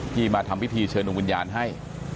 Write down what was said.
มาทำพิธีเชิญดวงวิญญาณให้